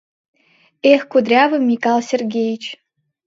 Эх, кудрявый Микал Сергеич